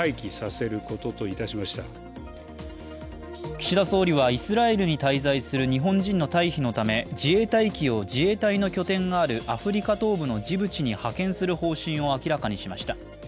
岸田総理はイスラエルに滞在する日本人の退避のため自衛隊機を自衛隊の拠点があるアフリカ東部のジブチに派遣する方針を明らかにしました。